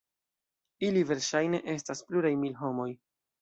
Ili verŝajne estas pluraj mil homoj.